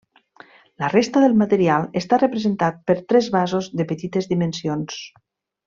La resta del material està representat per tres vasos de petites dimensions.